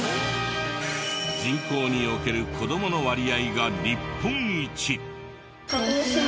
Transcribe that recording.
人口における子どもの割合が日本一！